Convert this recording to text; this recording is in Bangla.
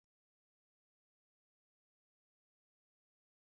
দেয়ালগুলো ইটের কিন্তু মসজিদের ভেতরে ও বাইরে এরা পাথর দিয়ে ঢাকা।